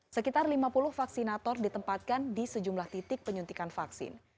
sekitar lima puluh vaksinator ditempatkan di sejumlah titik penyuntikan vaksin